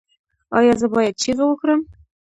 ایا زه باید چیغې وکړم؟